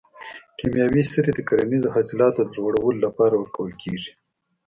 کیمیاوي سرې د کرنیزو حاصلاتو د لوړولو لپاره ورکول کیږي.